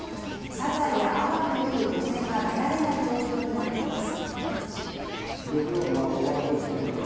サザエやアワビをとる漁船が出られない状況になっています。